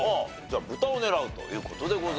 豚を狙うという事でございます。